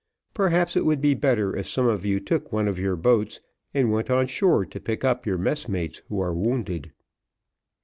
Perhaps it would be better if some of you took one of your boats and went on shore to pick up your messmates who are wounded."